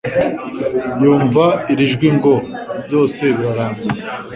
Yumva iri jwi ngo: «Byose birarangiye,»